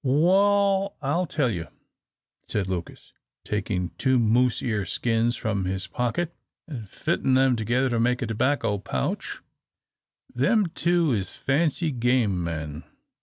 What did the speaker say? "Wal, I'll tell you," said Lucas, taking two moose ear skins from his pocket, and fitting them together to make a tobacco pouch, "them two is fancy game men.